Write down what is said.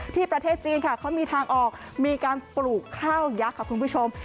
ประเทศจีนค่ะเขามีทางออกมีการปลูกข้าวยักษ์ค่ะคุณผู้ชม